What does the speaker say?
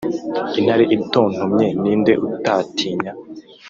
Intare itontomye, ni nde utatinya?